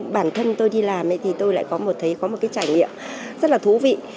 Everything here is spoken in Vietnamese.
bản thân tôi đi làm thì tôi lại có một cái trải nghiệm rất là thú vị